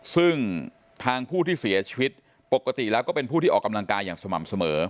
ซึ่งทางผู้ที่เสียชีวิตปกติแล้วก็เป็นผู้ที่ออกกำลังกายอย่างสม่ำเสมอ